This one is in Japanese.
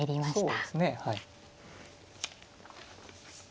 そうですねはい。